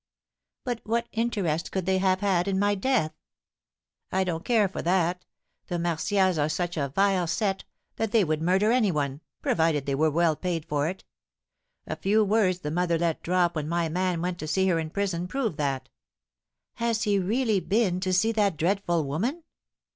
"But what interest could they have had in my death?" "I don't care for that; the Martials are such a vile set that they would murder any one, provided they were well paid for it. A few words the mother let drop when my man went to see her in prison prove that." "Has he really been to see that dreadful woman?"